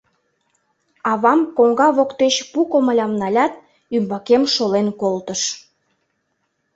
Авам коҥга воктеч пу комылям налят, ӱмбакем шолен колтыш.